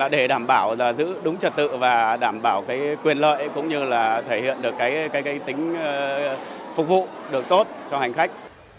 để đảm bảo giữ đúng trật tự và đảm bảo quyền lợi cũng như là thể hiện được tính phục vụ được tốt cho hành khách